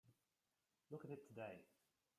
Look at it today.